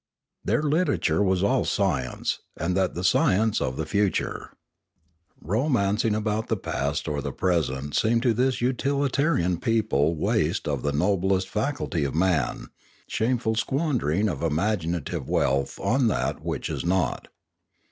Their literature was all science, and that the science of the future. Romancing about the past or the present seemed to this utilitarian people waste of the noblest faculty of man, shameful squandering of imaginative wealth on that which is naught.